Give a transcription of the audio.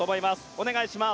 お願いします。